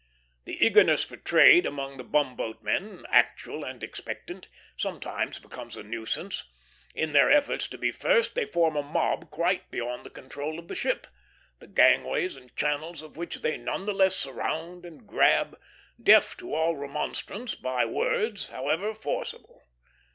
The eagerness for trade among the bumboatmen, actual and expectant, sometimes becomes a nuisance; in their efforts to be first they form a mob quite beyond the control of the ship, the gangways and channels of which they none the less surround and grab, deaf to all remonstrance by words, however forcible.